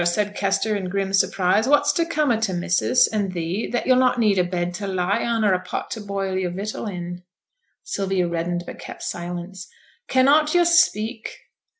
said Kester, in grim surprise. 'What's to come o' t' missus and thee, that yo'll not need a bed to lie on, or a pot to boil yo'r vittel in?' Sylvia reddened, but kept silence. 'Cannot yo' speak?'